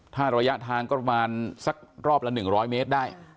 ถ้าระยะทางก็ประมาณสักรอบละ๑๐๐เมตรได้